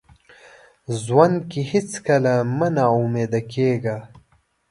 ژوند کې هیڅکله مه ناامیده کیږه.